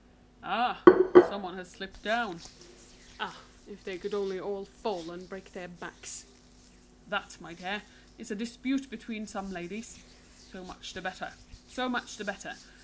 "Ah! some one has slipped down! Ah, if they could only all fall and break their backs! That, my dear, is a dispute between some ladies. So much the better! So much the better!